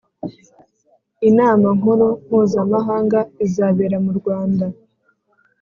inama nkuru mpuza mahanga izabera mu Rwanda